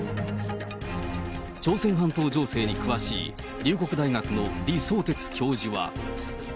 朝鮮半島情勢に詳しい、龍谷大学の李相哲教授は。